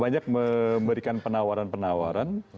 banyak memberikan penawaran penawaran